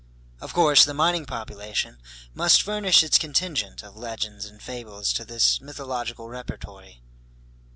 Of course the mining population must furnish its contingent of legends and fables to this mythological repertory.